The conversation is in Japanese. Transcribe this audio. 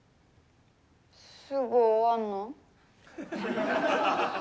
すぐ終わんの？